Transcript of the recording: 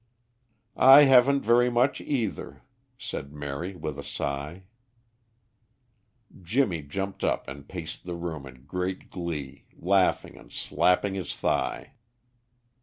"I haven't very much either," said Mary, with a sigh. Jimmy jumped up and paced the room in great glee, laughing and slapping his thigh.